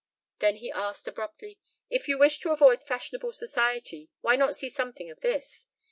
Then he asked abruptly: "If you wish to avoid fashionable society why not see something of this?